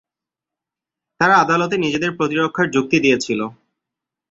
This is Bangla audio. তারা আদালতে নিজেদের প্রতিরক্ষার যুক্তি দিয়েছিল।